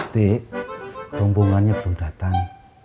tik rombongannya belum datang